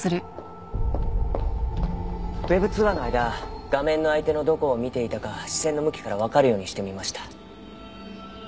Ｗｅｂ通話の間画面の相手のどこを見ていたか視線の向きからわかるようにしてみました。